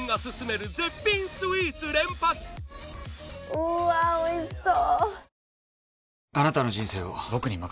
うわおいしそう！